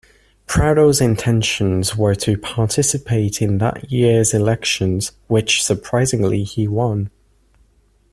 Prado's intentions were to participate in that year's elections which, surprisingly, he won.